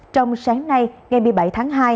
trong sáng nay ngày một mươi bảy tháng hai